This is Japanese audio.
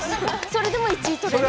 それでも１位とれる。